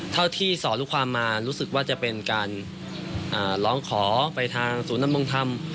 ที่สอนลูกความมารู้สึกว่าจะเป็นการร้องขอไปทางศูนย์นำรงธรรม